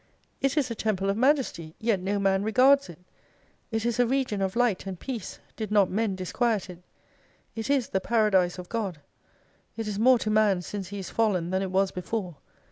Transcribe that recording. It is a Temple of Majesty, yet no man regards it. It is a region of Light and Peace, did not men disquiet it. It is the Paradise of God. It is more to man since he is fallen than it was before.